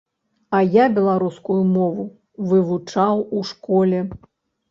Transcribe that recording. А я беларускую мову вывучаў у школе.